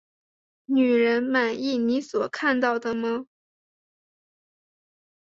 女人，满意你所看到的吗？